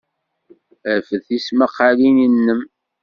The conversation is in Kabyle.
Rfed tismaqqalin-nnem.